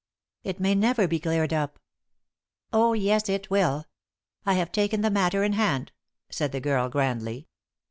"It may never be cleared up." "Oh yes, it will. I have taken the matter in hand," said the girl, grandly.